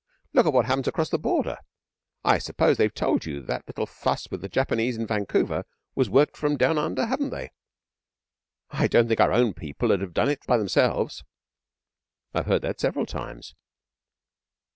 'Look what happens across the Border! I suppose they've told you that little fuss with the Japanese in Vancouver was worked from down under, haven't they? I don't think our own people 'ud have done it by themselves.' 'I've heard that several times.